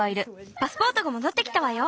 パスポートがもどってきたわよ。